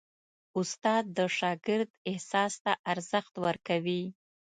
استاد د شاګرد احساس ته ارزښت ورکوي.